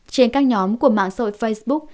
trên các nhóm của mạng sội facebook